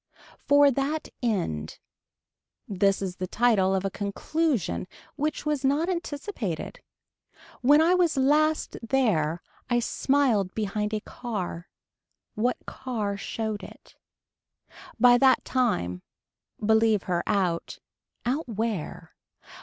For that end. This is the title of a conclusion which was not anticipated When I was last there I smiled behind the car. What car showed it. By that time. Believe her out. Out where.